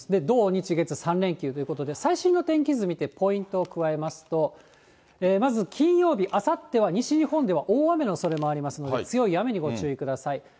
土、日、月、３連休ということで、最新の天気図見て、ポイントを加えますと、まず金曜日、あさっては西日本では大雨のおそれもありますので、強い雨にご注意ください。